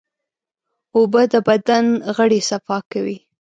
اوبه د بدن غړي صفا کوي.